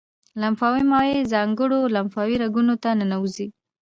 لمفاوي مایع ځانګړو لمفاوي رګونو ته ننوزي.